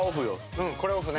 うんこれオフね。